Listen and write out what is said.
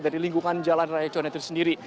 dari lingkungan jalan raya cuan itu sendiri